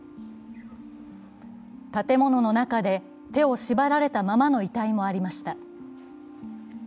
建物の中で手を縛られたままの遺体もありました。